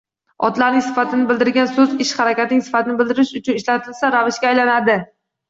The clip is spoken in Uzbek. Otlarning sifatini bildirgan soʻz ish-harakatning sifatini bildirish uchun ishlatilsa, ravishga aylanadi